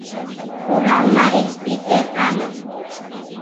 Курал, марий, ит ӧркане